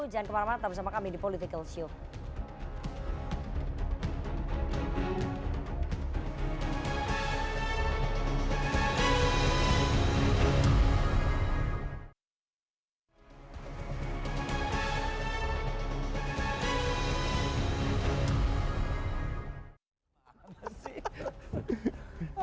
jangan kemana mana tetap bersama kami di politikalshow